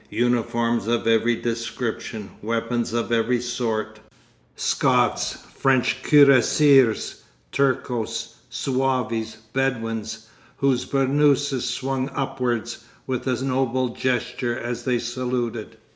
Uniforms of every description, weapons of every sort, Scots, French cuirassiers, Turcos, Zouaves, Bedouins, whose burnouses swung upwards with a noble gesture as they saluted.